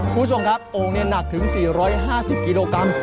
พูดชมครับโอ้งนี่หนักถึง๔๕๐กิโลกรัม